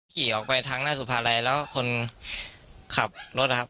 ขี่ออกไปทางหน้าสุภาลัยแล้วคนขับรถนะครับ